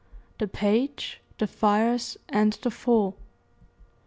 THE PAGE, THE FIRES, AND THE FALL.